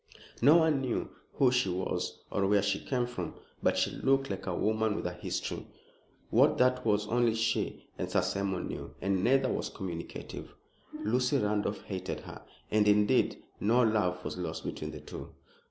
No one knew who she was or where she came from, but she looked like a woman with a history. What that was only she and Sir Simon knew, and neither was communicative. Lucy Randolph hated her, and indeed no love was lost between the two.